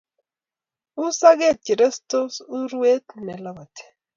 U sogek che restos, urwet che labati